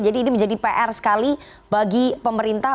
jadi ini menjadi pr sekali bagi pemerintah